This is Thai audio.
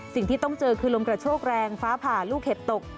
สิ่งที่ต้องเจอคือลมกระโชกแรงฟ้าผ่าลูกเห็บตก